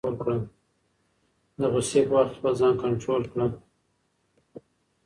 د غصې په وخت کې خپل ځان کنټرول کړه.